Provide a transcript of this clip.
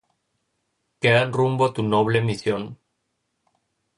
Quedan rumbo a tu noble misión.